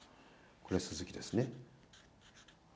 これ、鈴木ですね。